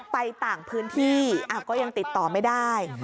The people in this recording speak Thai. ไปต่างพื้นที่ก็ยังติดต่อไม่ได้